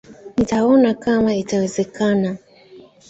Nitaona kama itawezekana